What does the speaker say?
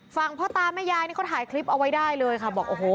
พ่อตาแม่ยายนี่เขาถ่ายคลิปเอาไว้ได้เลยค่ะบอกโอ้โห